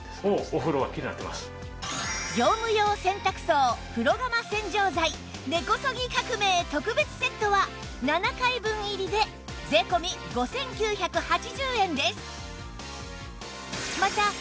業務用洗濯槽風呂釜洗浄剤根こそぎ革命特別セットは７回分入りで税込５９８０円です